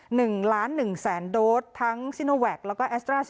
หนึ่งล้านหนึ่งแสนโดดทั้งแล้วก็